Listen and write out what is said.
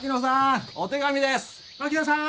槙野さん